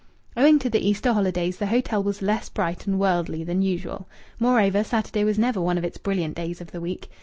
Owing to the Easter holidays the hotel was less bright and worldly than usual. Moreover, Saturday was never one of its brilliant days of the week.